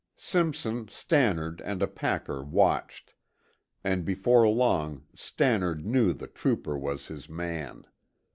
Simpson, Stannard, and a packer watched, and before long Stannard knew the trooper was his man.